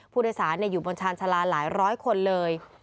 ผู้โดยสารอยู่บนชาญชาลาหลายร้อยคนเลย